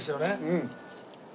うん。